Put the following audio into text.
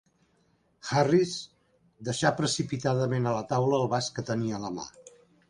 Harris deixà precipitadament a la taula el vas que tenia a la mà.